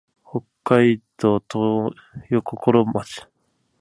北海道豊頃町